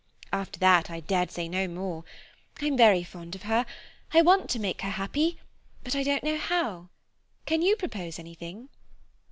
After that I dared say no more. I'm very fond of her, I want to make her happy, but I don't know how. Can you propose anything?"